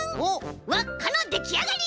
わっかのできあがり！